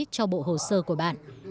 cho bộ hồ sơ của bạn